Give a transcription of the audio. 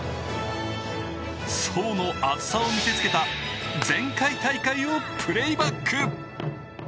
層の厚さを見せつけた、前回大会をプレーバック。